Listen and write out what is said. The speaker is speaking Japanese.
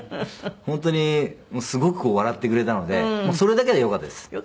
本当にすごく笑ってくれたのでもうそれだけでよかったです。